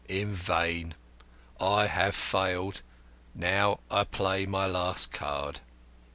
In vain. I have failed. Now I play my last card.